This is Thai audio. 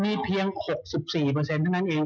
มีเพียง๖๔เปอร์เซ็นต์เท่านั้นเอง